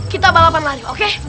kita balapan lari oke